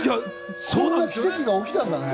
こんな奇跡が起きたんだね。